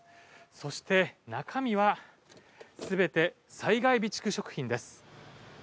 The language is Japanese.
そして中身は全て災害備蓄食品です。